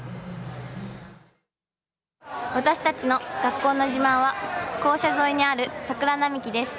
私たちの学校の自慢は校舎沿いにある桜並木です。